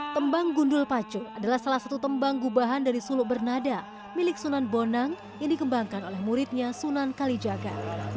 tembang gundul pacu adalah salah satu tembang gubahan dari suluk bernada milik sunan bonang yang dikembangkan oleh muridnya sunan kalijaga